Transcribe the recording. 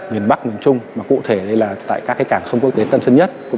miền bắc miền trung mà cụ thể đây là tại các cảng không quốc tế tân sân nhất